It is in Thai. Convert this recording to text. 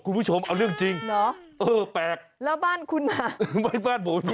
คุณผู้ชมเอาเรื่องจริงเหรอเออแปลกแล้วบ้านคุณมาหรือไม่บ้านผม